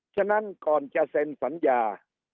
ฉะนั้นก่อนจะเสนศัณภ์ยา